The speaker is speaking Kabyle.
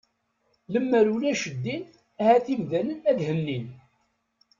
Lammer ulac ddin ahat imdanen ad hennin.